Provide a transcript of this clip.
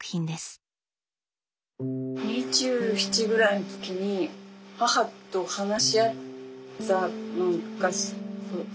２７ぐらいの時に母と話し合ったのがこじれまして。